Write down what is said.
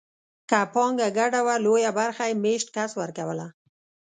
که پانګه ګډه وه لویه برخه یې مېشت کس ورکوله.